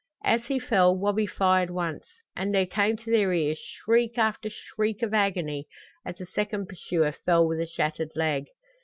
As he fell, Wabi fired once, and there came to their ears shriek after shriek of agony as a second pursuer fell with a shattered leg.